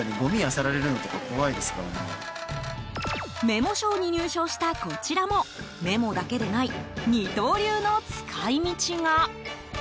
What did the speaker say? メモ賞に入賞したこちらもメモだけでない二刀流の使い道が。